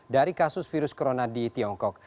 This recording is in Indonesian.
dari kasus virus corona di tiongkok